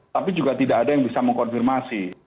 tapi juga tidak ada yang bisa mengkonfirmasi